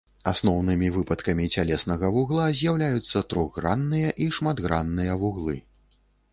Асобнымі выпадкамі цялеснага вугла з'яўляюцца трохгранныя і шматгранныя вуглы.